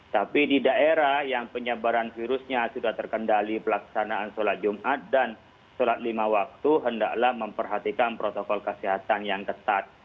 tapi di daerah yang penyebaran virusnya sudah terkendali pelaksanaan sholat jumat dan sholat lima waktu hendaklah memperhatikan protokol kesehatan yang ketat